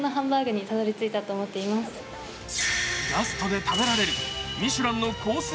ガストで食べられるミシュランのコース